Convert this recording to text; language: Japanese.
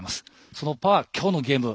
そのパワー、今日のゲーム